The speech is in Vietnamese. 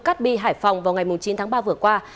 cát bi hải phòng vào ngày chín tháng ba vừa qua